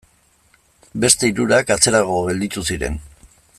Beste hirurak atzerago gelditu ziren.